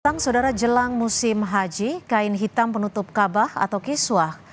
tentang saudara jelang musim haji kain hitam penutup kabah atau kiswah